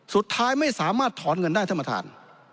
สุดท้ายไม่สามารถถอนเงินได้ธรรมฐาน